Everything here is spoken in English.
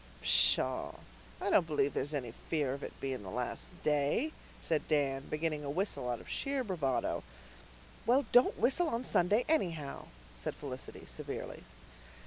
"Pshaw, I don't believe there's any fear of it being the last day," said Dan, beginning a whistle out of sheer bravado. "Well, don't whistle on Sunday anyhow," said Felicity severely.